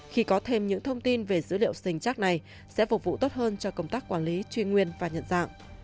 khi có thêm những thông tin về dữ liệu sinh chắc này sẽ phục vụ tốt hơn cho công tác quản lý truy nguyên và nhận dạng